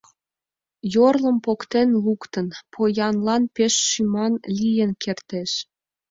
Йорлым поктен луктын, поянлан пеш шӱман лийын кертеш.